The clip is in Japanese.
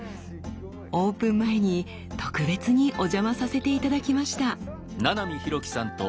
オープン前に特別にお邪魔させて頂きました。